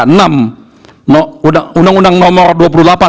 dan kemudian kemudian kemudian kemudian